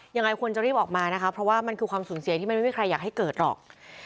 ยังไงควรจะรีบออกมานะคะเพราะว่ามันคือความสูญเสียที่มันไม่มีใครอยากให้เกิดหรอก